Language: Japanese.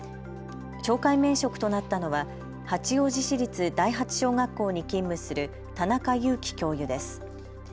懲戒免職となったのは八王子市立第八小学校に勤務する田中悠生教諭です。